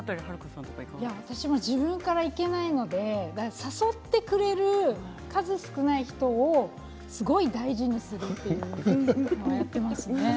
私も自分からいけないので誘ってくれる数少ない人をすごく大事にするというやってますね。